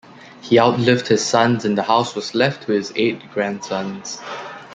He outlived his sons and the house was left to his eight grandsons.